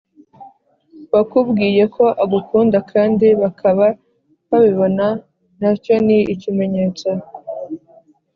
wakubwiye ko agukunda kandi bakaba babibona nacyo ni ikimenyetso.